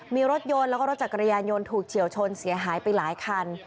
มีรถยนต์แล้วก็รถจักรยานยนต์ถูกเฉียวชนเสียหายไปหลายคัน